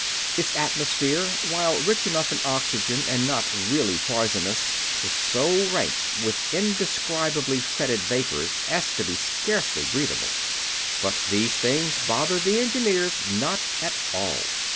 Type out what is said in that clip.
Its atmosphere, while rich enough in oxygen and not really poisonous, was so rank with indescribably fetid vapors as to be scarcely breatheable. But these things bothered the engineers not at all.